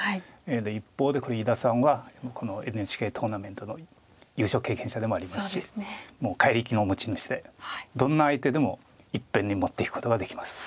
一方で伊田さんはこのＮＨＫトーナメントの優勝経験者でもありますしもう怪力の持ち主でどんな相手でもいっぺんに持っていくことができます。